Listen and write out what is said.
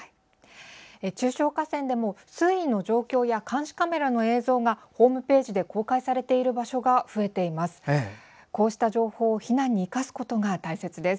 中小河川でも水位の状況や監視カメラの映像がホームページで公開されている場所が増えています。